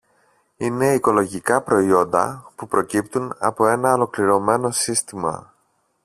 Είναι οικολογικά προϊόντα που προκύπτουν από ένα ολοκληρωμένο σύστημα